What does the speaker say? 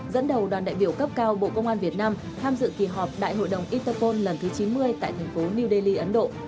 dẫn đầu đoàn đại biểu cấp cao bộ công an việt nam tham dự kỳ họp đại hội đồng interpol lần thứ chín mươi tại thành phố new delhi ấn độ